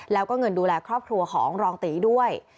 แล้วก็เงินดูแลครอบครัวของรองตีด้วย